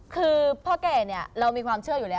คือพ่อแก่เนี่ยเรามีความเชื่ออยู่แล้ว